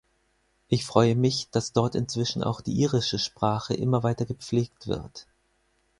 Ich freue mich, dass dort inzwischen auch die irische Sprache immer weiter gepflegt wird.